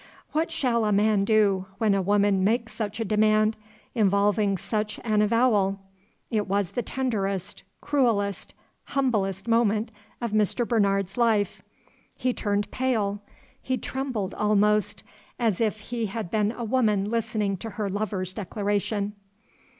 What shall a man do, when a woman makes such a demand, involving such an avowal? It was the tenderest, cruellest, humblest moment of Mr. Bernard's life. He turned pale, he trembled almost, as if he had been a woman listening to her lover's declaration.